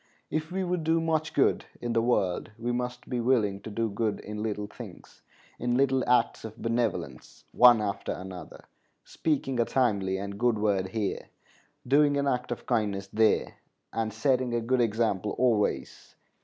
If we would do much good in the world we must be willing to do good in little things, in little acts of benevolence one after another; speaking a timely and good word here, doing an act of kindness there, and setting a good example always.